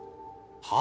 はあ！？